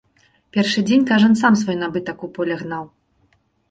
Першы дзень кажан сам свой набытак у поле гнаў.